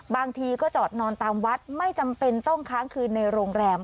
บางทีก็จอดนอนตามวัดไม่จำเป็นต้องค้างคืนในโรงแรม